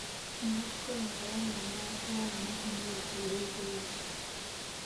Kino bakikola nga bayamba okuwa abanaku emmere basobole okweyagala.